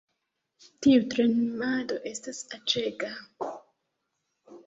Tiu tremado estas aĉega